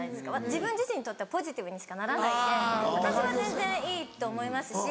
自分自身にとってはポジティブにしかならないんで私は全然いいと思いますし。